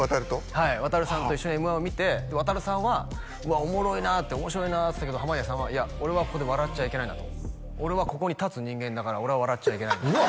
はい航さんと一緒に「Ｍ−１」を見て航さんはうわおもろいなって面白いなっつったけど濱家さんはいや俺はこれ笑っちゃいけないんだと俺はここに立つ人間だから俺は笑っちゃいけないうわ